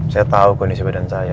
saya tahu kondisi badan saya